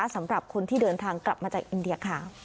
สำหรับคนที่เดินทางกลับมาจากอินเดียค่ะ